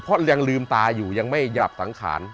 เพราะยังลืมตาอยู่ยังไม่หยาบสังขาร